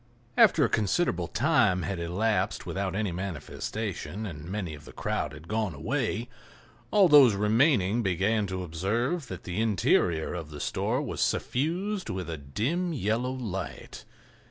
After a considerable time had elapsed without any manifestation, and many of the crowd had gone away, all those remaining began to observe that the interior of the store was suffused with a dim, yellow light.